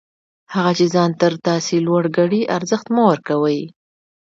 هغه چي ځان تر تاسي لوړ ګڼي، ارزښت مه ورکوئ!